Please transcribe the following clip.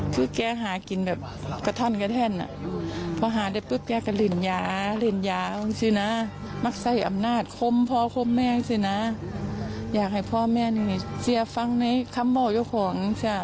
พี่ชายาหากินแบบกระท่อนกระแทนพอหาได้ก็เล่นยามักใส่อำนาจคมพ่อคมแม่อยากให้พ่อแม่เสียฟังในคำบอกเยอะของ